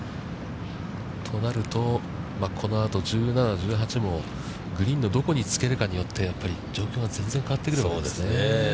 となると、このあと１７、１８も、グリーンのどこにつけるかによって状況が全然変わってくるわけですね。